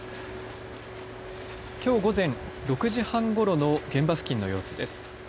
きょう午前６時半ごろの現場付近の様子です。